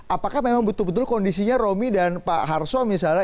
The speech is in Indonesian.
apakah memang betul betul kondisinya romi dan pak harso misalnya